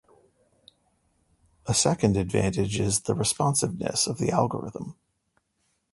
A second advantage is the responsiveness of the algorithm.